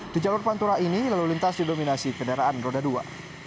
di jalur pantura ini lalu lintas didominasi kendaraan roda dua